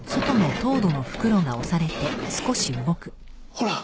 ほら。